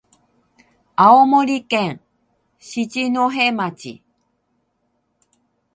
青森県七戸町